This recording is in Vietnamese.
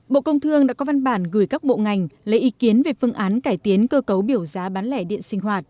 bộ công thương đã có văn bản gửi các bộ ngành lấy ý kiến về phương án cải tiến cơ cấu biểu giá bán lẻ điện sinh hoạt